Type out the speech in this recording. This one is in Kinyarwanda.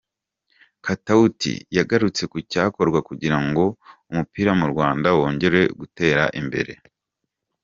Katauti yagarutse ku cyakorwa kugira ngo umupira mu Rwanda wongere gutera imbere.